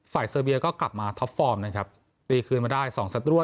เซอร์เบียก็กลับมาท็อปฟอร์มนะครับตีคืนมาได้สองสัตรั่